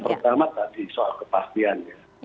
ya tentu yang pertama tadi soal kepastian